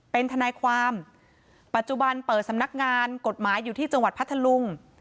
เป็นทนายความปัจจุบันเปิดสำนักงานกฎหมายอยู่ที่จังหวัดพัทธลุง